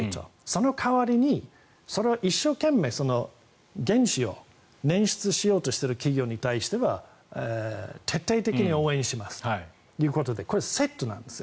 その代わりにそれを一生懸命原資をねん出しようしている企業に対しては徹底的に応援しますということでこれはセットなんです。